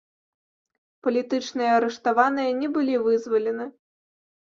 Палітычныя арыштаваныя не былі вызвалены.